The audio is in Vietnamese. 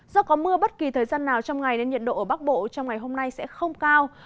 do có mưa bất kỳ thời gian nào trong ngày nên nhiệt độ ở bắc bộ trong ngày hôm nay sẽ không cao